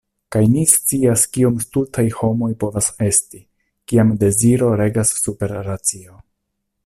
Kaj mi scias kiom stultaj homoj povas esti, kiam deziro regas super racio....